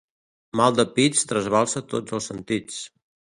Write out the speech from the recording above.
Mal de pits trasbalsa tots els sentits.